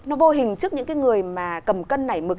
nó vô hình trước những cái người mà cầm cân nảy mực